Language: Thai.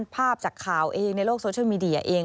ภาพจากข่าวเองในโลกโซเชียลมีเดียเอง